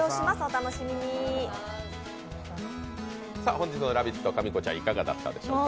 本日の「ラヴィット！」かみこちゃん、いかがだったでしょうか？